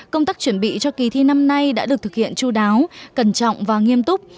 công tác chuẩn bị cho kỳ thi năm nay đã được thực hiện chú đáo cẩn trọng và nghiêm túc